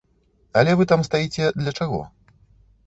Але вы там стаіце для чаго?